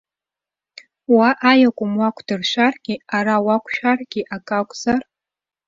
Уа аиакәым уақәдыршәаргьы, ара уақәшәаргьы акы акәзар?